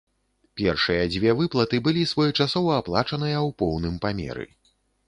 Першыя дзве выплаты былі своечасова аплачаныя ў поўным памеры.